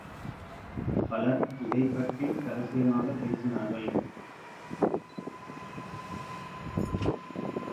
பலர் இதைப் பற்றி ரகசியமாகப் பேசினார்கள்.